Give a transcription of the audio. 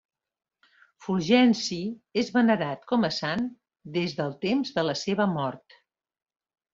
Fulgenci és venerat com a sant des del temps de la seva mort.